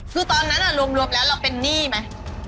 คือตอนนั้นรวมแล้วเราเป็นหนี้ไหม